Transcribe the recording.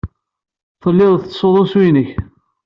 Telliḍ tettessuḍ-d usu-nnek.